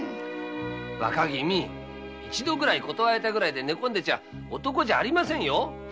若君一度断られたくらいで寝込んでちゃ男じゃありませんよ。